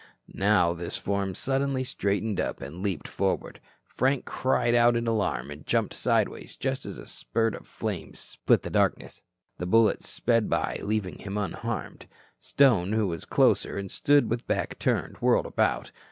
Now this form suddenly straightened up and leaped forward. Frank cried out in alarm and jumped sideways, just as a spurt of flame split the darkness. The bullet sped by, leaving him unharmed. Stone, who was closer and stood with back turned, whirled about.